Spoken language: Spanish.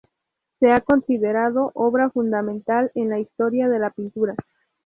Se ha considerado obra fundamental en la historia de la pintura.